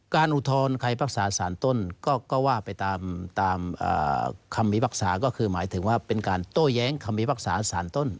อุทธรณ์ใครพักษาสารต้นก็ว่าไปตามคำพิพากษาก็คือหมายถึงว่าเป็นการโต้แย้งคำพิพากษาสารต้น